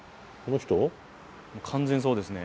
完全そうですね。